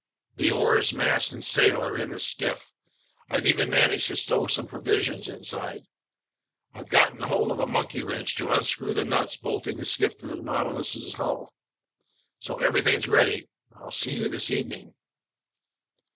The oars, mast, and sail are in the skiff. I've even managed to stow some provisions inside. I've gotten hold of a monkey wrench to unscrew the nuts bolting the skiff to the Nautilus's hull. So everything's ready. I'll see you this evening."